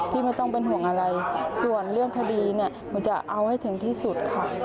พี่ไม่ต้องเป็นห่วงอะไรส่วนเรื่องคดีมันจะเอาให้ถึงที่สุด